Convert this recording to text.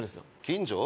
近所？